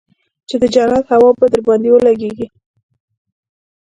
چې د جنت هوا به درباندې ولګېږي.